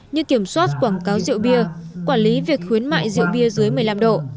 như kiểm soát quảng cáo rượu bia quản lý việc khuyến mại rượu bia dưới một mươi năm độ